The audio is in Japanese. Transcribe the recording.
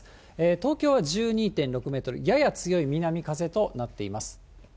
東京は１２．６メートル、やや強い南風となっています。